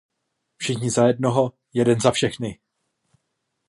Všichni za jednoho, jeden za všechny.